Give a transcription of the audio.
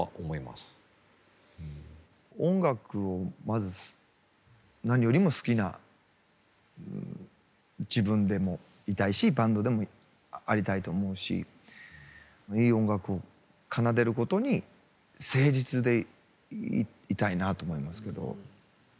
音楽をまず何よりも好きな自分でもいたいしバンドでもありたいと思うしいい音楽を奏でることに誠実でいたいなと思いますけど。